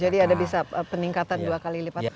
jadi ada bisa peningkatan dua kali lipat